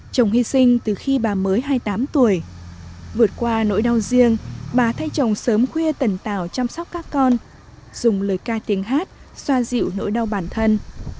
chồng hy sinh từ khi bà mới hai mươi tám tuổi vượt qua nỗi đau riêng bà thay chồng sớm khuya tần tạo chăm sóc các con dùng lời ca tiếng hát xoa dịu nỗi đau bản thân